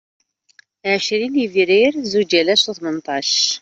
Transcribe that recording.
Ɛecrin Yebrir Zuǧ alas u Tmenṭac